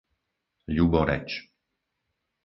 Ľuboreč